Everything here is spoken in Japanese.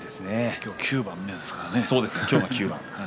今日が９番目ですからね。